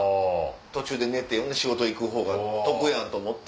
途中で寝て仕事行くほうが得やと思って。